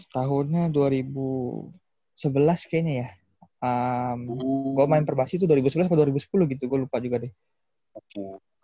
tahunnya dua ribu sebelas kayaknya ya gue main perbasih itu dua ribu sebelas atau dua ribu sepuluh gitu gue lupa juga deh